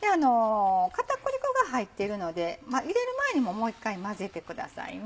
片栗粉が入っているので入れる前にももう一回混ぜてくださいね。